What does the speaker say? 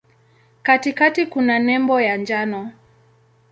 Katikati kuna nembo ya njano.